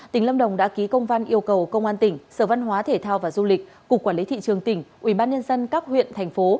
tỉnh lâm đồng đã ký công văn yêu cầu công an tỉnh sở văn hóa thể thao và du lịch cục quản lý thị trường tỉnh ubnd các huyện thành phố